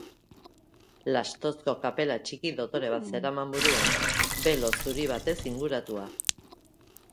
Lastozko kapela txiki dotore bat zeraman buruan, belo zuri batez inguratua.